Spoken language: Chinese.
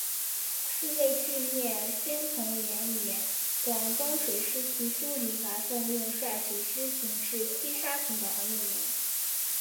是为纪念宣统元年广东水师提督李准奉命率水师巡视西沙群岛而命名。